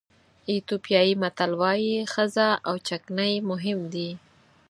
ایتیوپیایي متل وایي ښځه او چکنۍ مهم دي.